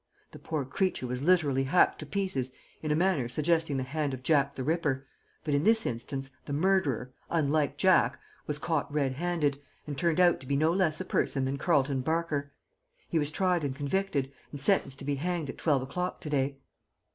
The poor creature was literally hacked to pieces in a manner suggesting the hand of Jack the Ripper, but in this instance the murderer, unlike Jack, was caught red handed, and turned out to be no less a person than Carleton Barker. He was tried and convicted, and sentenced to be hanged at twelve o'clock to day.